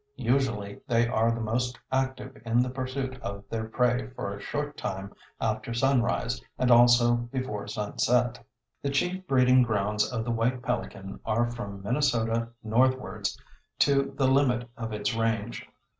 Usually they are the most active in the pursuit of their prey for a short time after sunrise and also before sunset. The chief breeding grounds of the White Pelican are from Minnesota northwards to the limit of its range.